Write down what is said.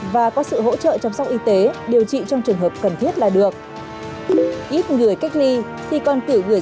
và có sự hỗ trợ chăm sóc y tế điều trị trong trường hợp cần thiết là được ít người cách ly thì còn cử người